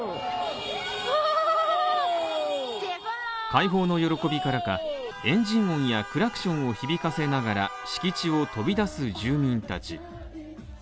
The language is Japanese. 解放の喜びからか、エンジン音やクラクションを響かせながら敷地を飛び出す住民たち。